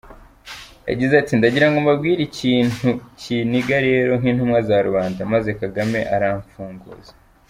Yagize ati “Ndagirango mbabwire ikintu kiniga rero nk’intumwa za rubanda, maze Kagame aramfunguza.